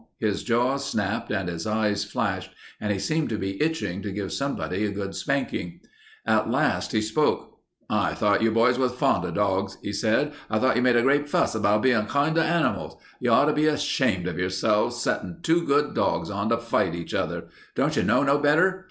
His jaws snapped and his eyes flashed, and he seemed to be itching to give somebody a good spanking. At last he spoke. "I thought you boys was fond of dogs," he said. "I thought you made a great fuss about bein' kind to animals. You ought to be ashamed of yourselves, settin' two good dogs on to fight each other. Don't you know no better?